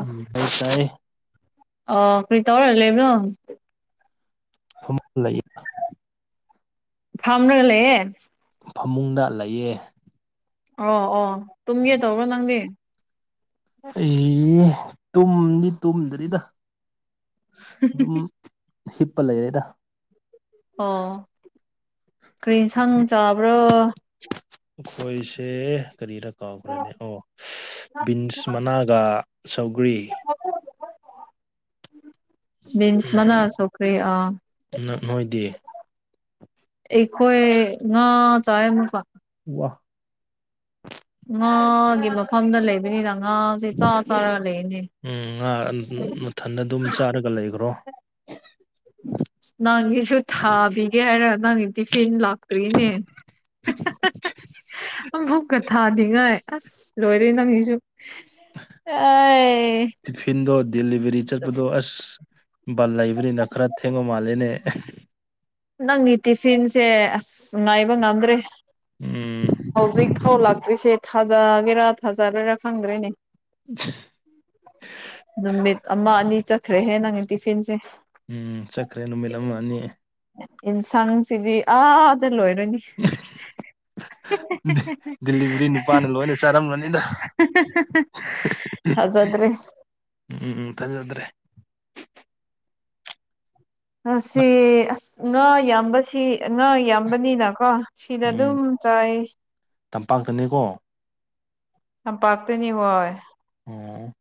ꯎꯝ [unintelligible] ꯑꯣ ꯀ꯭ꯔꯤ ꯇꯧꯔꯒ ꯂꯩꯕꯅꯣ [unintelligible] ꯂꯩ ꯐꯝꯔꯒ ꯂꯩꯌꯦ ꯐꯃꯨꯡꯗ ꯂꯩꯌꯦ ꯑꯣ ꯑꯣ ꯇꯨꯝꯒꯦ ꯇꯧꯕ꯭ꯔꯣ ꯅꯪꯗꯤ ꯑꯩ ꯇꯨꯝꯗꯤ ꯇꯨꯝꯗ꯭ꯔꯤꯗ ꯑꯗꯨꯝ ꯍꯤꯞꯄ ꯂꯩꯔꯦꯗ ꯑꯣ ꯀ꯭ꯔꯤ ꯏꯟꯁꯥꯡ ꯆꯥꯕ꯭ꯔꫭ ꯈꫭꯏꯁꯦ ꯀꯔꯤꯔ ꯀꯥꯎꯈ꯭ꯔꯦꯅꯦ ꯑꯣ ꯕꯤꯟꯁ ꯃꯅꯥ ꯒꯥ ꯁꯧꯒ꯭ꯔꯤ ꯕꯤꯟꯁ ꯃꯅꯥ ꯁꯧꯒ꯭ꯔꯤ ꯑ ꯅꯣꯏꯗꯤ ꯑꯩꯈꯣꯏ ꯉꯥ ꯆꯥꯏꯌꯦ ꯑꯃꯨꯛꯀ ꯋꯥ ꯉꯥꯒꯤ ꯃꯐꯝꯗ ꯂꯩꯕꯅꯤꯅ ꯉꯥꯁꯦ ꯆꯥ ꯆꯥꯔ ꯂꯩꯔꯤꯅꯦ ꯎꯝ ꯉꯥ ꯃꯊꯟꯗ ꯑꯗꯨꯝ ꯆꯥꯔꯒ ꯂꯩꯈ꯭ꯔꯣ ꯅꯪꯒꯤꯁꯨ ꯊꯥꯕꯤꯒꯦ ꯍꯥꯏꯔ ꯅꯪꯒꯤ ꯇꯤꯐꯤꯟ ꯂꯥꯛꯇ꯭ꯔꯤꯅꯦ ꯑꯃꯨꯛꯀ ꯊꯥꯗꯤꯉꯥꯏ ꯑꯁ ꯂꯣꯏꯔꯦ ꯅꯪꯁꯤꯁꯨ [unintelligible] ꯇꯤꯐꯤꯟꯗꯣ ꯗꯦꯂꯤꯚꯔꯤ ꯆꯠꯄꯗꯣ ꯑꯁ ꯕꯥꯜ ꯂꯩꯕꯅꯤꯅ ꯈꯔ ꯊꯦꯡꯕ ꯃꯥꯜꯂꯦꯅꯦ ꯅꯪꯒꯤ ꯇꯤꯐꯤꯟꯁꯦ ꯑꯁ ꯉꯥꯏꯕ ꯉꯝꯗ꯭ꯔꯦ ꯎꯝ ꯍꯧꯖꯤꯛ ꯐꯥꯎ ꯂꯥꯛꯇ꯭ꯔꯤꯁꯦ ꯊꯥꯖꯒꯦꯔꯥ ꯊꯥꯖꯔꫭꯏꯔꯥ ꯈꯪꯗ꯭ꯔꯦꯅꯦ [unintelligible] ꯅꯨꯃꯤꯠ ꯑꯃ ꯑꯅꯤ ꯆꯠꯈ꯭ꯔꯦꯍꯦ ꯅꯪꯒꯤ ꯇꯤꯐꯤꯟꯁꯦ ꯎꯝ ꯆꯠꯈ꯭ꯔꯦ ꯅꯨꯃꯤꯠ ꯑꯃ ꯑꯅꯤ ꯏꯟꯁꯥꯡꯁꯤꯗꯤ ꯑꯥꯗ ꯂꯣꯏꯔꯅꯤ ꯗꯦꯂꯤꯚꯔꯤ ꯅꯨꯄꯥꯅ ꯂꯣꯏꯅ ꯆꯥꯔꯝꯃꯅꯤꯗ ꯊꯥꯥꯖꯗ꯭ꯔꯦ ꯎꯝ ꯎꯝ ꯎꯝ ꯊꯥꯖꯗ꯭ꯔꯦ ꯅ- ꯉꯁꯤ ꯑꯁ ꯉꯥ ꯌꯥꯝꯕꯁꯤ ꯉꯥ ꯌꯥꯝꯕꯅꯤꯅꯀꯣ ꯁꯤꯗ ꯑꯗꯨꯝ ꯆꯥꯏ ꯇꯝꯄꯥꯛꯇꯅꯦꯀꯣ ꯇꯝꯄꯥꯥꯛꯇꯅꯤ ꯍꯣꯏ ꯑꯣ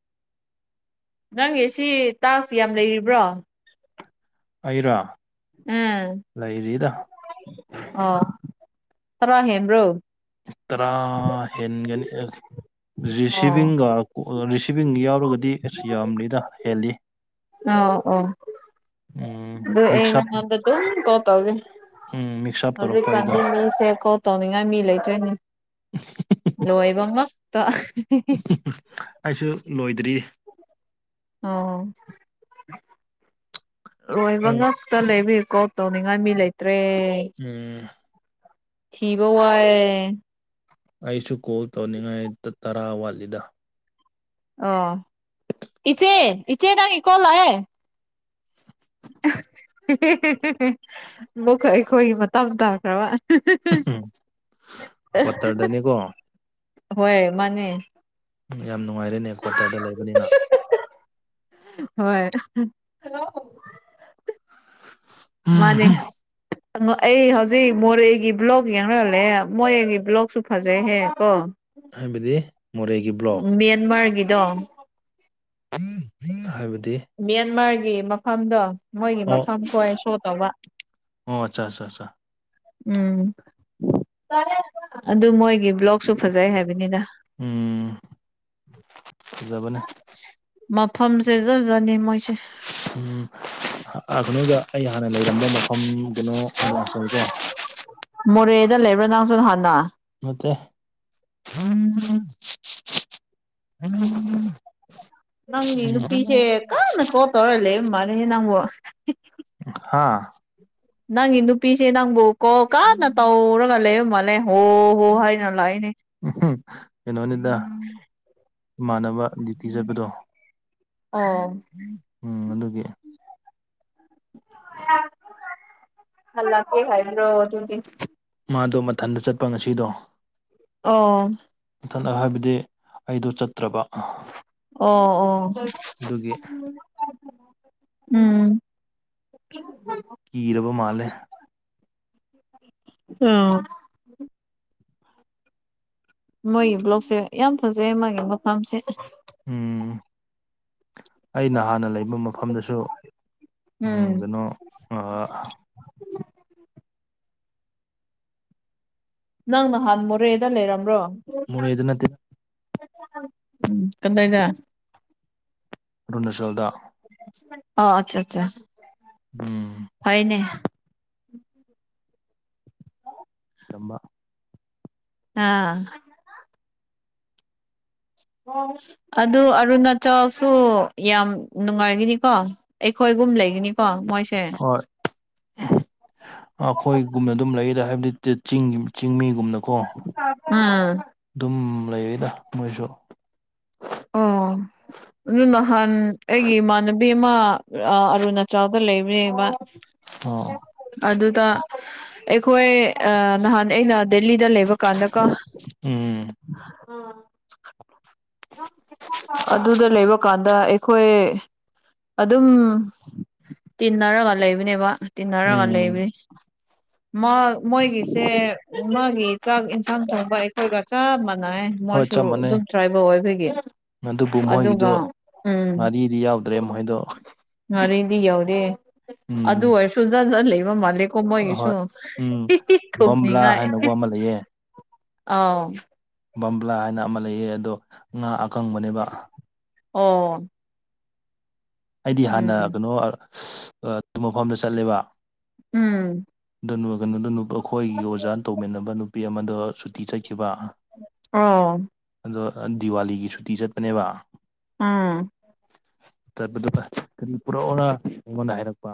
ꯅꯪꯒꯤ ꯁꯤ ꯇꯥꯛꯁ ꯌꯥꯝ ꯂꯩꯔꯤꯕ꯭ꯔꯣ ꯑꯩꯔꫭ ꯎꯝ ꯂꯩꯔꯤꯗ ꯑꯣ ꯇꯔꯥ ꯍꯦꯟꯕ꯭ꯔꫭ ꯇꯔꯥ ꯍꯦꯟꯒꯅꯤ ꯑꯣ ꯔꯤꯁꯤꯚꯤꯡꯒ ꯔꯤꯁꯤꯚꯤꯡ ꯌꯥꯎꯔꯒꯗꯤ ꯑꯁ ꯌꯥꯝꯔꯤꯗ ꯍꯦꯜꯂꯤ ꯑꯣ ꯑꯣ ꯎꯝ ꯑꯗꯨ ꯑꯩ ꯃꯤꯛꯁ ꯑꯞ ꯅꯪꯉꫭꯟꯗ ꯑꯗꯨꯝ ꯀꫭꯜ ꯇꯧꯒꯦ ꯎꯝ ꯃꯤꯛꯁ ꯑꯞ ꯍꯧꯖꯤꯛ ꯇꯧꯔꯛꯄ ꯑꯩꯗꯣ [unintelligible] ꯇꯧꯅꯤꯡꯉꯥꯏ ꯃꯤ ꯂꯩꯇ꯭ꯔꯦꯅꯤ ꯂꯣꯏꯕ ꯉꯥꯛꯇ ꯑꯩꯁꯨ ꯂꯣꯏꯗ꯭ꯔꯤ ꯑꯣ ꯂꫭꯏꯕ ꯅꯪ ꯉꯥꯛ ꯇ ꯂꯩꯕꯒꯤ ꯀꯣꯜ ꯇꯧꯅꯤꯡꯉꯥꯏ ꯃꯤ ꯂꯩꯇ꯭ꯔꯦ ꯎꯝ ꯊꯤꯕꯥ ꯋꯥꯏꯌꯦ ꯑꯩꯁꯨ ꯀꯣꯜ ꯇꯧꯅꯤꯡꯉꯥꯏ ꯇꯔꯥ ꯋꯥꯠꯂꯤꯗ ꯑꯣ ꯏꯆꯦ ꯏꯆꯦ ꯅꯪꯒꯤ ꯀꯣꯜ ꯂꯥꯛꯑꯦ ꯑꯃꯨꯛ ꯑꯩꯈꯣꯏꯒꯤ ꯃꯇꯝ ꯇꯥꯈ꯭ꯔꯕ ꯀ꯭ꯋꯥꯇꯔꯗꯅꯤꯀꯣ ꯍꯣꯏ ꯃꯥꯅꯦ ꯎꯝ ꯌꯥꯝ ꯅꯨꯡꯉꯥꯏꯔꯦꯅꯦ ꯀ꯭ꯋꯥꯇꯔꯗ ꯂꯩꯕꯅꯤꯅ ꯍꯣꯏ ꯍꯜꯂꯣ ꯃꯥꯅꯦ ꯑꯩ ꯍꯧꯖꯤꯛ ꯃꯣꯔꯦꯒꯤ ꯕ꯭ꯂꯣꯛ ꯌꯦꯡꯔꯂꯦ ꯃꯣꯔꯦꯒꯤ ꯕ꯭ꯂꯣꯛꯁꯨ ꯐꯖꯩꯍꯦ ꯀꯣ ꯍꯥꯏꯕꯗꯤ ꯃꯣꯔꯦꯒꯤ ꯕ꯭ꯂꯣꯛ ꯃꯦꯟꯃꯥꯔꯒꯤꯗꯣ [inaudible] ꯍꯥꯏꯕꯗꯤ ꯃꯦꯟꯃꯥꯔꯒꯤ ꯃꯐꯝꯗꯣ ꯃꯣꯏꯒꯤ ꯑꯣ ꯃꯐꯝ ꯈꯣꯏ ꯁꯣ ꯇꯧꯕ ꯑꯣ ꯑꯠꯆꯥ ꯑꯠꯆꯥ ꯑꯠꯆꯥ ꯎꯝ [unintelligible] ꯑꯗꯨ ꯃꯣꯏꯒꯤ ꯕ꯭ꯂꯣꯛꯁꯨ ꯐꯖꯩ ꯍꯥꯏꯕꯅꯤꯗ ꯎꯝ ꯐꯖꯕꯅꯦ ꯃꯐꯝꯁꯦ ꯖꯖꯅꯤ ꯃꯣꯏꯁꯦ ꯎꯝ ꯑ ꯀꯩꯅꯣꯗ ꯑꯩ ꯍꯥꯟꯅ ꯂꯩꯔꯝꯕ ꯃꯐꯝ ꯀꯩꯅꯣ ꯑꯔꯨꯅꯥꯆꯜ ꯀꯣ ꯃꯣꯔꯦꯗ ꯂꯩꯕ꯭ꯔꯥ ꯅꯪꯁꯨ ꯍꯥꯟꯅ ꯅꯠꯇꯦ [inaudible] [inaudible] ꯅꯪꯒꯤ ꯅꯨꯄꯤꯁꯦ ꯀꯟꯅ ꯀꯣꯜ ꯇꯧꯔ ꯂꯩ ꯃꯥꯜꯅꯤꯍꯦ ꯅꯪꯕꯨ ꯍꯥꯥ ꯅꯪꯒꯤ ꯅꯨꯄꯤꯁꯦ ꯅꯪꯕꯨ ꯀꯣ ꯀꯥꯟꯅ ꯇꯧꯔꯒ ꯂꯩꯔꯝꯃꯜꯂꯦ ꯍꯣ ꯍꯣ ꯍꯥꯏꯅ ꯂꯥꯛꯏꯅꯦ ꯀꯩꯅꯣꯅꯤꯗ ꯏꯃꯥꯟꯅꯕ ꯗ꯭ꯌꯨꯇꯤ ꯆꯠꯄꯗꯣ ꯑꯣ ꯎꯝ ꯑꯗꯨꯒꯤ ꯍꯜꯂ ꯀꯦ [unintelligible] ꯑꯗꯨꯗꯤ ꯃꯥꯗꯣ ꯃꯊꯟꯇ ꯆꯠꯄ ꯉꯁꯤꯗꯣ ꯑꯣ ꯃꯊꯠꯅ ꯍꯥꯏꯕꯗꯤ ꯑꯩꯗꯣ ꯆꯠꯇ꯭ꯔꯕ ꯑꯣ ꯑꯣ ꯑꯗꯨꯒꯤ ꯎꯝ [inaudible] ꯀꯤꯔꯕ ꯃꯥꯜꯂꯦ ꯎꯝ ꯃꯣꯏꯒꯤ ꯕ꯭ꯂꯣꯛꯁꯦ ꯌꯥꯝ ꯐꯖꯩ ꯃꯥꯒꯤ ꯃꯐꯝꯁꯦ ꯎꯝ ꯑꯩꯅ ꯍꯥꯟꯅ ꯂꯩꯕ ꯃꯐꯝꯗꯁꯨ ꯎꯝ ꯀꯩꯅꯣ ꯑꯥ ꯅꯪ ꯅꯍꯥꯟ ꯃꯣꯔꯦꯗ ꯂꯩꯔꯝꯕ꯭ꯔꯣ ꯃꯣꯔꯦꯗ ꯅꯠ ꯎꯝ ꯀꯗꯗ ꯑꯔꯨꯅꯥꯆꯜꯗ ꯑꯣ ꯑꯆꯠꯆꯥ ꯎꯝ ꯐꯩꯅꯦ [unintelligible] ꯑꯥ ꯑꯗꯨ ꯑꯔꯨꯅꯥꯆꯜꯁꯨ ꯌꯥꯝ ꯅꯨꯡꯉꯥꯏꯒꯅꯤꯀꯣ ꯑꯩꯈꯣꯏꯒꯨꯝ ꯂꯩꯒꯅꯤꯀꯣ ꯃꯣꯏꯁꯦ ꯍꯣꯏ ꯑꯩꯈꯣꯏꯒꯨꯝꯅ ꯑꯗꯨꯝ ꯂꯩꯌꯦꯗ ꯍꯥꯏꯕꯗꯤ [unintelligible] ꯆꯤꯡꯒꯤ ꯆꯤꯡꯃꯤꯒꯨꯝꯅꯀꯣ ꯎꯝ ꯑꯗꯨꯝ ꯂꯩꯔꯦꯗ ꯃꯣꯏꯁꯨ ꯎꯝ ꯑꯗꯨ ꯅꯍꯥꯟ ꯑꯩꯒꯤ ꯏꯃꯥꯟꯅꯕꯤ ꯑꯃ ꯑ ꯑꯔꯨꯅꯥꯆꯜꯗ ꯂꯩꯕꯅꯦꯕ ꯑꯥ ꯑꯗꯨꯗ ꯑꯩꯈꯣꯏ ꯑ ꯅꯍꯥꯟ ꯑꯩꯅ ꯗꯦꯜꯂꯤꯗ ꯂꯩꯕ ꯀꯥꯟꯗ ꯀꯣ ꯎꯝ [unintelligible] ꯑꯗꯨꯗ ꯂꯩꯕ ꯀꯥꯟꯗ ꯑꯩꯈꯣꯏ ꯑꯗꯨꯝ ꯇꯤꯟꯅꯔꯒ ꯂꯩꯕꯅꯦꯕ ꯇꯤꯟꯅꯔꯒ ꯎꯝ ꯂꯩꯕꯅꯤ ꯃ ꯃꯣꯏꯒꯤꯁꯦ ꯃꯥꯒꯤ ꯆꯥꯛ ꯏꯟꯁꯥꯡ ꯊꯣꯡꯕ ꯑꯩꯈꯣꯏꯒ ꯆꯞ ꯃꯥꯟꯅꯩꯌꯦ ꯍꯣꯏ ꯃꯣꯏꯁꯨ ꯆꯞ ꯃꯥꯟꯅꯩ ꯑꯗꯨꯝ ꯇ꯭ꯔꯥꯏꯕꯦꯜ ꯑꯣꯏꯕꯒꯤ ꯑꯗꯨꯕꯨ ꯃꯣꯏꯒꯤꯗꯨ ꯑꯗꯨꯒ ꯎꯝ ꯉꯥꯔꯤꯗꯤ ꯌꯥꯎꯗ꯭ꯔꯦ ꯃꯣꯏꯗꯣ ꯉꯥꯔꯤꯗꯤ ꯌꯥꯎꯗꯦ ꯑꯗꯨ ꯎꯝ ꯑꯣꯏꯔꯁꯨ [unintelligible] ꯂꯩꯕ ꯃꯥꯜꯂꯦ ꯀꯣ ꯑꯍꯣꯏ ꯃꯣꯏꯒꯤꯁꯨꯨ ꯎꯝ [unintelligible] ꯕꯝꯕ꯭ꯂꯥ ꯅꯤꯉꯥꯏ ꯍꯥꯏꯅꯀꯣ ꯑꯃ ꯂꯩꯌꯦ ꯑꯥꯎ ꯕꯝꯕ꯭ꯂꯥ ꯍꯥꯏꯅ ꯑꯃ ꯂꯩꯌꯦ ꯑꯗꯣ ꯉꯥ ꯑꯀꯪꯕꯅꯦꯕ ꯑꯣ ꯑꯩꯗꯤ ꯍꯥꯟꯅ ꯎꯝ ꯀꯩꯅꯣ [unintelligible] ꯃꯐꯝꯗ ꯆꯠꯂꯦꯕ ꯎꯝ ꯑꯗꯨꯅ ꯀꯩꯅꯣꯗꯣ ꯑꯩꯈꯣꯏꯒꯤ ꯑꯣꯖꯥ ꯇꯧꯃꯤꯟꯅꯕ ꯅꯨꯄꯤ ꯑꯃꯗꯣ ꯁꯨꯇꯤ ꯆꯠꯈꯤꯕ ꯑꯣ ꯑꯗꯣ ꯗꯤꯋꯥꯂꯤꯒꯤ ꯁꯨꯇꯤ ꯆꯠꯄꯅꯦꯕ ꯎꯝ ꯆꯠꯄꯗꯨ ꯄꯨꯔꯛꯑꯣꯔ ꯑꯩꯉꯣꯟꯗ ꯍꯥꯏꯔꯛꯄ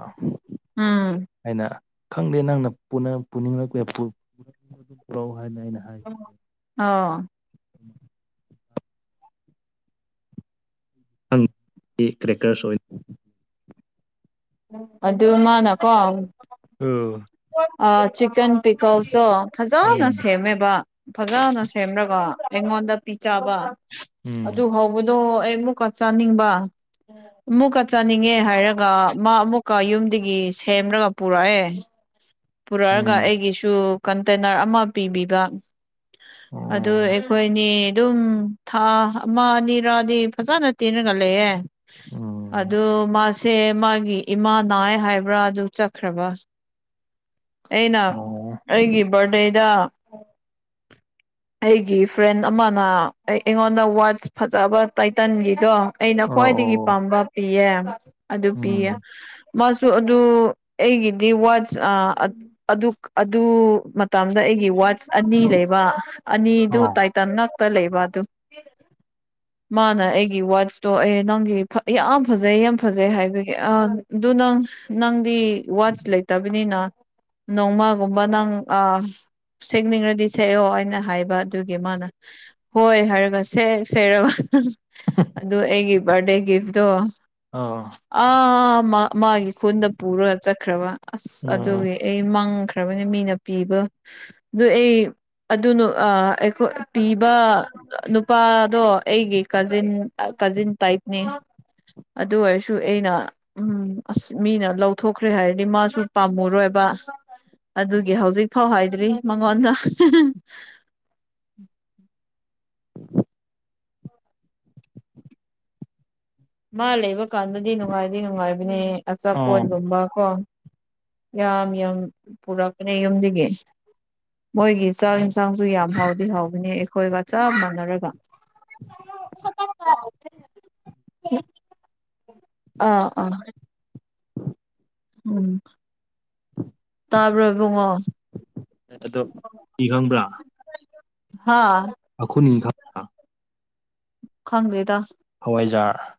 ꯎꯝ ꯑꯩꯅ ꯈꯪꯗꯦ ꯅꯪꯅ [unintelligible] ꯄꯨꯔꯛꯎ ꯍꯥꯏꯅ ꯑꯩꯅ ꯍꯥꯏꯕ ꯑꯣ [unintelligible] ꯑꯣꯏꯅ ꯑꯗꯨ ꯃꯥꯅꯀꯣ ꯑꯥꯎ ꯑ ꯆꯤꯛꯀꯟ ꯄꯤꯀꯜꯁꯇꯣ ꯐꯖꯅ ꯁꯦꯝꯃꯦꯕ ꯐꯖꯅ ꯁꯦꯝꯔꯒ ꯑꯩꯉꯣꯟꯗ ꯄꯤꯖꯕ ꯎꯝ ꯑꯗꯨ ꯍꯥꯎ ꯕꯗꯣ ꯑꯩ ꯑꯃꯨꯛꯀ ꯆꯥꯅꯤꯡꯕ ꯑꯃꯨꯛꯀ ꯆꯥꯅꯤꯡꯉꯦ ꯍꯥꯏꯔꯒ ꯃꯥ ꯑꯃꯨꯛꯀ ꯌꯨꯝꯗꯒꯤ ꯁꯦꯝꯔꯒ ꯄꯨꯔꯛꯑꯦ ꯄꯨꯔꯛꯑꯒ ꯎꯝ ꯑꯩꯒꯤꯁꯨ ꯀꯟꯇꯦꯅꯔ ꯑꯃ ꯄꯤꯕꯤꯕ ꯑꯗꯨ ꯎꯝ ꯑꯩꯈꯣꯏꯅꯤ ꯑꯗꯨꯝ ꯊꯥ ꯑꯃ ꯑꯅꯤꯔꯥꯗꯤ ꯐꯖꯅ ꯇꯤꯡꯔꯒ ꯂꯩꯌꯦ ꯎꯝ ꯎꯝ ꯑꯗꯨ ꯎꯝ ꯃꯥꯁꯦ ꯃꯥꯒꯤ ꯏꯃꯥ ꯅꯥꯏ ꯍꯥꯏꯕ꯭ꯔꯥ ꯑꯗꯨ ꯆꯠꯈ꯭ꯔꯕ ꯑꯩꯅ ꯑꯣ ꯑꯩꯒꯤ ꯕꯥꯔꯗꯦꯗ ꯑꯩꯒꯤ ꯐ꯭ꯔꯦꯟ ꯑꯃꯅ ꯑꯩ ꯑꯩꯉꯣꯟꯗ ꯋꯥꯠꯁ ꯐꯖꯕ ꯇꯥꯏꯇꯥꯟꯒꯤꯗꯣ ꯑꯩꯅ ꯑꯣ ꯑꯣ ꯈ꯭ꯋꯥꯏꯗꯒꯤ ꯄꯥꯝꯕ ꯄꯤꯌꯦ ꯑꯗꯨ ꯎꯝ ꯄꯤꯌꯦ ꯃꯥꯁꯨ ꯑꯗꯨ ꯑꯩꯒꯤꯗꯤ ꯋꯥꯆ ꯑ ꯑꯗꯨ ꯃꯇꯝꯗ ꯑꯩꯒꯤ ꯋꯥꯆ ꯑꯅꯤ ꯂꯩꯕ ꯑꯅꯤꯗꯨ ꯑꯥ ꯇꯥꯏꯇꯥꯟ ꯉꯥꯛꯇ ꯂꯩꯕ ꯑꯗꯨ ꯃꯥꯅ ꯑꯩꯒꯤ ꯋꯥꯠꯆꯇꯣ ꯑꯦ ꯅꯪꯒꯤ ꯌꯥꯝ ꯐꯖꯩ ꯌꯥꯝ ꯐꯖꯩ ꯍꯥꯏꯕꯒꯤ ꯑ ꯑꯗꯨ ꯅꯪ ꯅꯪꯗꯤ ꯋꯥꯆ ꯂꯩ ꯅꯤꯅ ꯅꯣꯡꯃꯒꯨꯝꯕ ꯅꯪ ꯑꯥ ꯁꯦꯠꯅꯤꯡꯉꯗꯤ ꯁꯦꯛꯑꯣ ꯑꯩꯅ ꯍꯥꯏꯕ ꯑꯗꯨꯒꯤ ꯃꯥꯅ ꯍꯣꯏ ꯍꯥꯏꯔꯒ ꯁꯦ ꯁꯦꯔꯒ ꯑꯗꯨ ꯑꯩꯒꯤ ꯕꯥꯔꯗꯦ ꯒꯤꯐꯇꯣ ꯑꯥ ꯑꯥ ꯃꯥꯒꯤ ꯈꯨꯟꯗ ꯄꯨꯔꯒ ꯆꯠꯈ꯭ꯔꯕ ꯑꯁ ꯎꯝ ꯑꯗꯨꯒꯤ ꯑꯩ ꯃꯪꯈ꯭ꯔꯕꯅꯦ ꯃꯤꯅ ꯄꯤꯕ ꯑꯗꯨ ꯑꯩ ꯑꯗꯨꯅ ꯑꯩ ꯑꯩꯈꯣꯏ ꯄꯤꯕ ꯅꯨꯄꯥꯗꯣ ꯑꯩꯒꯤ ꯀꯖꯤꯟ ꯀꯖꯤꯟ ꯇꯥꯏꯞꯅꯦ ꯑꯗꯨ ꯑꯣꯏꯔꯁꯨ ꯑꯩꯅ ꯎꯝ ꯑꯁ ꯃꯤꯅ ꯂꯧꯊꯣꯛꯈ꯭ꯔꯦ ꯍꯥꯏꯔꯗꯤ ꯃꯥ ꯄꯥꯝꯃꯨꯔꯣꯏꯕ ꯑꯗꯨꯒꯤ ꯍꯧꯖꯤꯛ ꯐꯥꯎ ꯍꯥꯏꯗ꯭ꯔꯤ ꯃꯉꯣꯟꯗ ꯃꯥ ꯂꯩꯕ ꯀꯥꯟꯗꯗꯤ ꯅꯨꯡꯉꯥꯏꯗꯤ ꯅꯨꯡꯉꯥꯏꯕꯅꯦ ꯑꯥ ꯑꯆꯥꯄꯣꯠꯒꯨꯝꯕ ꯀꯣ ꯌꯥꯝ ꯌꯥꯝ ꯄꯨꯔꯛꯄꯅꯦ ꯌꯨꯝꯗꯒꯤ ꯃꯣꯏꯒꯤ ꯆꯥꯛ ꯌꯦꯟꯁꯥꯡꯁꯨ ꯌꯥꯝ ꯍꯥꯎꯗꯤ ꯍꯥꯎꯕꯅꯤ ꯑꯩꯈꯣꯏꯒ ꯆꯞ ꯃꯥꯟꯅꯔꯒ ꯍ [unintelligible] ꯎꯝ [unintelligible] ꯑꯥ ꯑꯥ ꯎꯝ ꯇꯥꯕ꯭ꯔꯣ ꯢꯕꯨꯡꯉꯣ ꯑꯗꯣ ꯀꯤ ꯈꯪꯕ꯭ꯔꯥ ꯍꯥꯥ ꯑꯩꯈꯣꯏꯅꯤ ꯈꯪꯗꯦꯗ ꯍꯋꯥꯏꯖꯥꯔ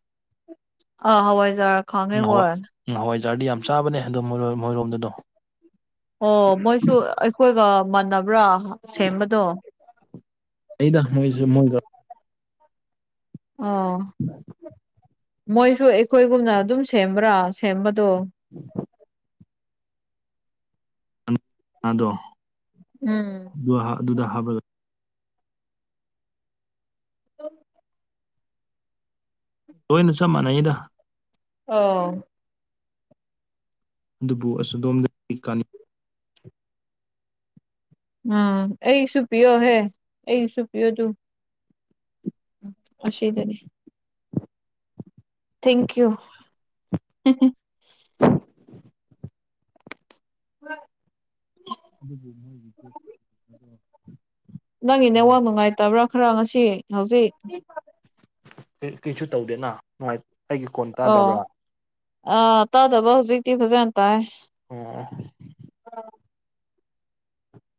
ꯑꯥ ꯍꯋꯥꯏꯖꯥꯔ ꯑꯝ ꯈꯥꯡꯉꯦ ꯍꯣꯏ ꯅꯋꯥꯏꯖꯥꯔ ꯅꯋꯥꯏꯖꯥꯔꯗꯤ ꯌꯥꯝ ꯆꯥꯕꯅꯦ ꯑꯗꯣ ꯃꯣ ꯃꯣꯢꯔꯣꯝꯗꯣ ꯑꯗꯨꯝ ꯑꯣ ꯃꯣꯏꯁꯨ ꯑꯩꯈꯣꯏꯒ ꯃꯥꯟꯅꯕ꯭ꯔꯥ ꯁꯦꯝꯕꯗꯣ ꯂꯩꯗ ꯃꯣꯏꯁꯨ ꯃꯣꯏꯒ ꯑꯣ ꯃꯣꯏꯁꯨ ꯑꯩꯈꯣꯏꯒꯨꯝꯅ ꯑꯗꯨꯝ ꯁꯦꯝꯕ꯭ꯔꯥ ꯁꯦꯝꯕꯗꯣ ꯎꯝ [inaudible] ꯑꯗꯣ ꯎꯝ ꯑꯗꯨꯗ ꯍꯥꯞꯂꯒ ꯍ [inaudible] ꯂꯣꯏꯅ ꯆꯞ ꯃꯥꯟꯅꯩꯗ ꯑꯣ ꯑꯗꯨꯕꯨ ꯑꯁꯨꯗꯣꯝꯗꯒꯤ ꯀꯥꯅ ꯑꯥ ꯑꯩꯁꯨ ꯄꯤꯌꯣ ꯍꯦ ꯑꯩꯁꯨꯨ ꯄꯤꯌꯣ ꯇꯨ ꯑꯁꯤꯗꯅꯤ ꯊꯦꯡꯀꯤ ꯌꯨ ꯑꯗꯨꯕꯨ ꯃꯣꯏꯒꯤꯁꯨ [inaudible] ꯅꯪꯒꯤ ꯅꯦꯋꯥꯛ ꯅꯨꯡꯉꯥꯏꯇꯕ꯭ꯔꯥ ꯈꯔ ꯉꯁꯤ ꯍꯧꯖꯤꯛ ꯀꯩꯁꯨ ꯇꯧꯗꯦꯅ ꯅꯨꯡꯉꯥꯏ ꯑꯩꯒꯤ ꯀꯣꯟ ꯑꯣ ꯇꯥꯗꯕ꯭ꯔꯥ ꯑꯥ ꯇꯥꯗꯕ ꯍꯧꯖꯤꯛꯇꯤ ꯐꯖꯅ ꯇꯥꯏ ꯑꯣ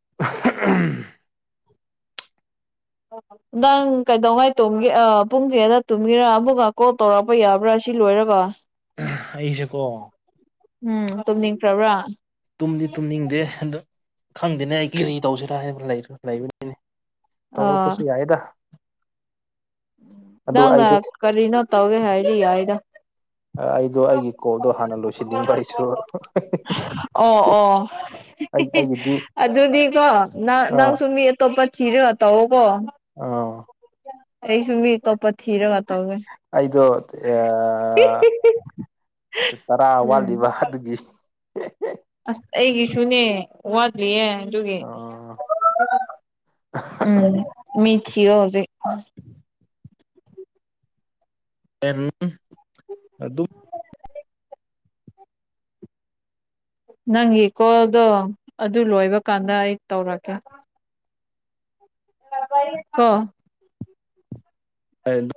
[unintelligible] ꯑꯣ [inaudible] ꯅꯪ ꯀꯩꯗꯧꯉꯥꯏ ꯇꯨꯝꯒꯦ ꯄꯨꯡ ꯀꯌꯥꯕ ꯇꯨꯝꯒꯦꯔ ꯑꯃꯛꯒ ꯀꯣꯜ ꯇꯧꯔꯛꯄ ꯌꯥꯕ꯭ꯔꯥ ꯁꯤ ꯂꯣꯏꯔꯒ ꯑꯩꯁꯨ ꯀꯣ ꯎꯝ ꯇꯨꯝꯅꯤꯡꯈ꯭ꯔꯕ꯭ꯔꯥ ꯇꯨꯝꯗꯤ ꯇꯨꯝꯅꯤꯡꯗꯦ ꯑꯗꯨ ꯈꯪꯗꯦꯅꯦ ꯑꯩ ꯀꯔꯤ ꯇꯧꯁꯤꯔꯥ ꯍꯥꯏꯅ ꯂꯩꯕꯅꯦ ꯑꯥ ꯇꯧꯔꯛꯄꯁꯨ ꯌꯥꯏꯗ ꯑꯗꯨ ꯅꯪꯅ ꯑꯩꯗꯣ ꯀꯔꯤꯅꯣ ꯇꯧꯒꯦ ꯍꯥꯏꯔꯗꯤ ꯌꯥꯏꯗ ꯑꯩꯗꯣ ꯑꯩꯒꯤ ꯀꯣꯜꯗꯣ ꯍꯥꯟꯅ ꯂꯣꯏꯁꯤꯟꯅꯤꯡꯕ ꯑꯩꯁꯨ ꯑꯣ ꯑꯣ ꯑꯩ ꯑꯩꯒꯤꯗꯤ ꯑꯗꯨꯗꯤꯀꯣ ꯑꯥ ꯅꯪꯁꯨ ꯃꯤ ꯑꯇꯣꯞꯄ ꯊꯤꯔꯒ ꯇꯧꯑꯣꯒꯣ ꯑꯧ ꯑꯇꯣꯞꯄ ꯊꯤꯔꯒ ꯇꯧꯒꯦ ꯑꯩꯗꯣ ꯑꯥ ꯇꯔꯥ ꯎꯝ ꯋꯥꯠꯂꯤꯕ ꯑꯗꯨꯒꯤ ꯑꯁ ꯑꯩꯒꯤꯁꯨꯅꯦ ꯋꯥꯠꯂꯤꯌꯦ ꯑꯗꯨꯒꯤ ꯑ ꯎꯝ ꯃꯤ ꯊꯤꯌꯣ ꯍꯧꯖꯤꯛ ꯍꯣꯔꯦꯟ ꯑꯗꯨꯝ ꯅꯪꯒꯤ ꯀꯣꯜꯗꯣ ꯑꯗꯨ ꯂꯣꯏꯕ ꯀꯥꯟꯗ ꯑꯩ ꯇꯧꯔꯛꯒꯦ ꯒꯣ ꯑ [unintelligible]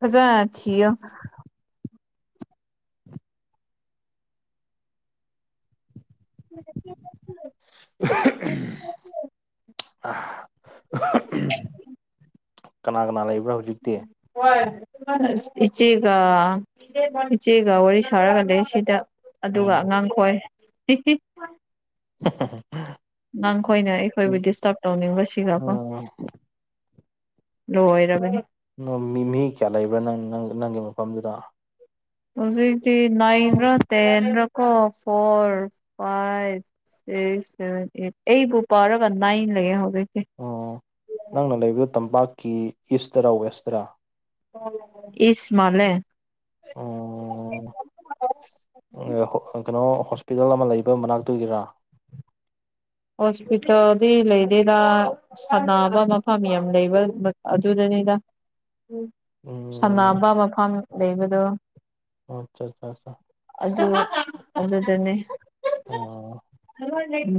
ꯐꯖꯅ ꯊꯤꯌꯣ [inaudible] ꯀꯅꯥ ꯀꯅꯥ ꯂꯩꯕ꯭ꯔꯥ ꯍꯧꯖꯤꯛꯇꯤ ꯏꯆꯦꯒ ꯏꯆꯦꯒ ꯋꯥꯔꯤ ꯁꯥꯔꯒꯥꯟ ꯂꯩ ꯁꯤꯗ ꯑꯗꯨꯒ ꯑꯣ ꯑꯉꯥꯡꯈꯣꯏ [unintelligible] ꯅꯪꯈꯣꯏꯅ ꯑꯩꯈꯣꯏꯕꯨ ꯗꯤꯁꯇꯔꯕ ꯇꯧꯅꯤꯡꯕꯁꯤꯒꯀꯣ ꯑꯣ ꯂꯣꯏꯔꯕꯅꯦ ꯃꯤ ꯃꯤ ꯀꯌꯥ ꯂꯩꯕ꯭ꯔꯥ ꯅꯪ ꯅꯪꯒꯤ ꯃꯐꯝꯗꯨꯗ ꯍꯧꯖꯤꯛꯇꯤ ꯅꯥꯏꯟ ꯔ ꯇꯦꯟ ꯔ ꯀꯣ four five six seven eight ꯑꯩꯕꯨ ꯄꯥꯔꯒ ꯅꯥꯏꯟ ꯂꯩꯌꯦ ꯍꯧꯖꯤꯛꯁꯦ ꯑꯣ ꯅꯪꯅ ꯂꯩꯕꯗꯣ ꯇꯝꯄꯥꯛꯀꯤ ꯏꯁꯇꯔꯥ ꯋꯦꯁꯇꯔꯥ ꯏꯁ ꯃꯜꯂꯦ ꯎ ꯀꯩꯅꯣ [unintelligible] ꯄꯤꯒꯥꯜ ꯑꯃ ꯂꯩꯕ ꯃꯅꯥꯛꯇꯒꯤꯔꯥ ꯍꯣꯁꯄꯤꯇꯥꯜꯗꯤ ꯂꯩꯇꯦꯗ ꯁꯥꯟꯅꯕ ꯃꯐꯝ ꯌꯥꯝ ꯂꯩꯕ ꯑꯗꯨꯗꯅꯤꯗ ꯎꯝ ꯁꯅꯥ ꯑꯄꯥ ꯃꯐꯝ ꯂꯩꯕꯗꯣ ꯑꯆꯥ ꯑꯆꯥ ꯑꯆꯥ ꯑꯗꯨ ꯑꯗꯨꯗꯅꯦ ꯑꯣ ꯑꯝ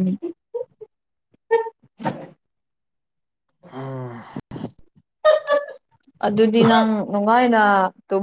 [unintelligible] ꯑꯗꯨꯗꯤ ꯅꯪ ꯅꯨꯡꯉꯥꯏꯅ ꯇꯨꯝ